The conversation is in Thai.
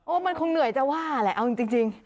มันคงเหนื่อยจะว่าแหละเอาจริง